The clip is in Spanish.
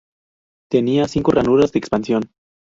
Tenía cinco ranuras de expansión.